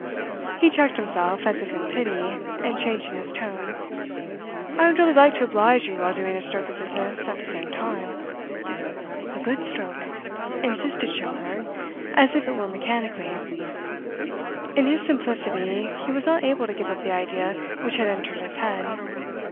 He checked himself, as if in pity, and changing his tone: "I would really like to oblige you while doing a stroke of business at the same time." "A good stroke," insisted Schomberg, as if it were mechanically. In his simplicity he was not able to give up the idea which had entered his head.